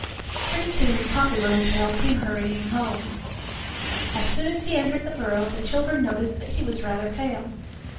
Pretty soon Papa Littletail came hurrying home. As soon as he entered the burrow the children noticed that he was rather pale.